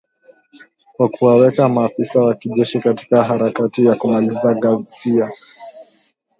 Na kuwaweka maafisa wa kijeshi katika harakati za kumaliza ghasia.